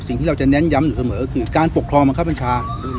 สิ่งที่เราจะเน้นย้ำอยู่เสมอคือการปกครองบังคับบัญชา